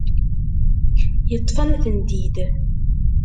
Yeṭṭef-am-tent-id.